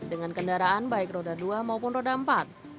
dengan kendaraan baik roda dua maupun roda empat